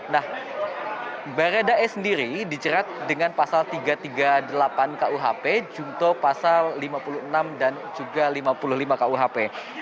nah baradae sendiri dicerat dengan pasal tiga ratus tiga puluh delapan kuhp jungto pasal lima puluh enam dan juga lima puluh lima kuhp